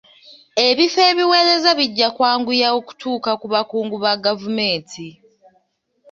Ebifo ebiweereza bijja kwanguya okutuuka ku bakungu ba gavumenti.